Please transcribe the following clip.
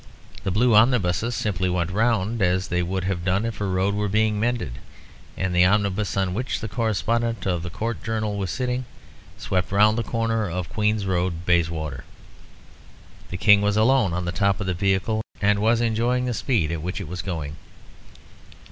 The blue omnibuses simply went round as they would have done if a road were being mended, and the omnibus on which the correspondent of the Court Journal was sitting swept round the corner of Queen's Road, Bayswater. The King was alone on the top of the vehicle, and was enjoying the speed at which it was going.